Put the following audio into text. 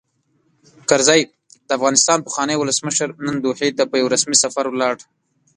کرزی؛ د افغانستان پخوانی ولسمشر، نن دوحې ته په یوه رسمي سفر ولاړ.